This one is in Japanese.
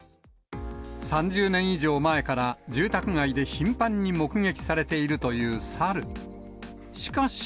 ３０年以上前から、住宅街で頻繁に目撃されているという猿。